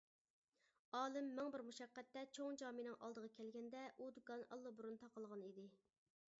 ئالىم مىڭ بىر مۇشەققەتتە چوڭ جامىنىڭ ئالدىغا كەلگەندە ئۇ دۇكان ئاللىبۇرۇن تاقالغان ئىدى.